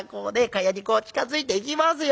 蚊帳にこう近づいていきますよ。